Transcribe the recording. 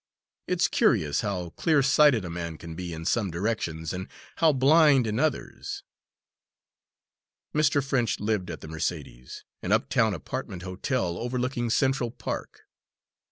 It's curious how clearsighted a man can be in some directions, and how blind in others." Mr. French lived at the Mercedes, an uptown apartment hotel overlooking Central Park.